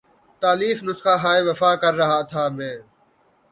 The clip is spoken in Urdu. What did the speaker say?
تالیف نسخہ ہائے وفا کر رہا تھا میں